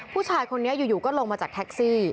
ผู้ชายคนนี้อยู่ก็ลงมาจากแท็กซี่